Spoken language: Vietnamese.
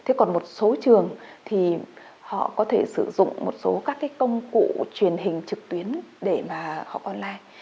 thế còn một số trường thì họ có thể sử dụng một số các cái công cụ truyền hình trực tuyến để mà họ online